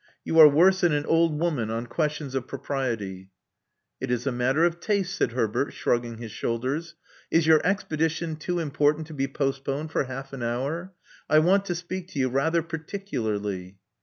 You are worse than an old woman on questions of propriety." It is a matter of taste," said Herbert, shrugging his shoulders. Is your expedition too important to be postponed for half an hour? I want to speak to you rather particularly."